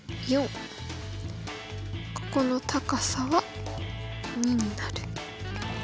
ここの高さは２になる。